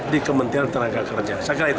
di kementerian tenaga kerja